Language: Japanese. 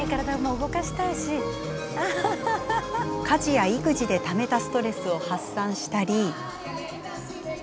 家事や育児でためたストレスを発散したり。